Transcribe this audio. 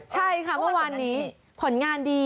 ใช่ค่ะเมื่อวานนี้ผลงานดี